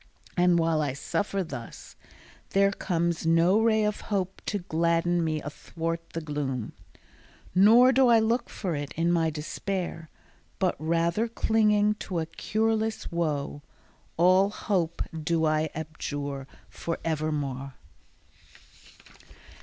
And while I suffer thus, there comes no ray Of hope to gladden me athwart the gloom; Nor do I look for it in my despair; But rather clinging to a cureless woe, All hope do I abjure for evermore.